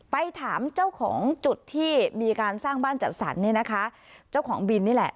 ไปถามเจ้าของจุดที่มีการสร้างบ้านจัดสรรเนี่ยนะคะเจ้าของบินนี่แหละ